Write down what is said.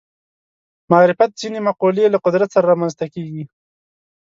معرفت ځینې مقولې له قدرت سره رامنځته کېږي